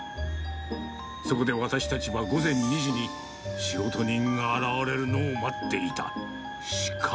そこで私たちは午前２時に仕事人が現れるのを待っていた。